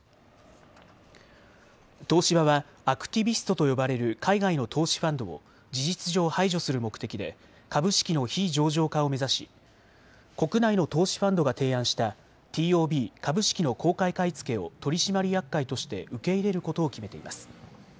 東芝はアクティビストと呼ばれる海外の投資ファンドを事実上、排除する目的で株式の非上場化を目指し国内の投資ファンドが提案したＴＯＢ・株式の公開買い付けを取締役会として受け入れることを決めています。